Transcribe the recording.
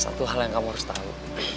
satu hal yang kamu harus tahu